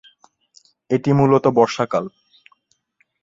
এটি মূলত বর্ষাকাল।